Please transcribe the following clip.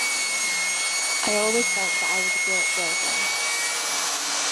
I always felt that I was a great girlfriend.